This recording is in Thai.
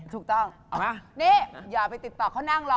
ถูกต้อง